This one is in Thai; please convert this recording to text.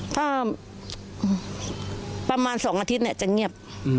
ถ้าประมาณ๒อาทิตย์จะเงียบ